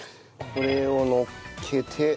これをのっけて。